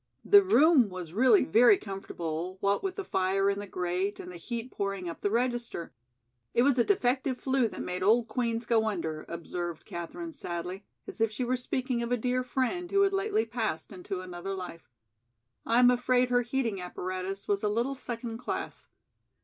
The room was really very comfortable what with the fire in the grate and the heat pouring up the register. "It was a defective flue that made old Queen's go under," observed Katherine sadly, as if she were speaking of a dear friend who had lately passed into another life. "I am afraid her heating apparatus was a little second class."